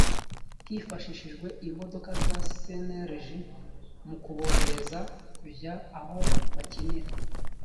hifashishijwe imodoka za cnlg mu kuborohereza kujya aho bakinira